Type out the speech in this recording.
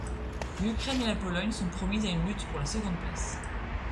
L'Ukraine et la Pologne sont promises à une lutte pour la seconde place.